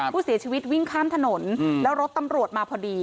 ผู้เสียชีวิตวิ่งข้ามถนนแล้วรถตำรวจมาพอดี